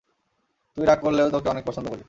তুই রাগ করলেও তোকে অনেক পছন্দ করি।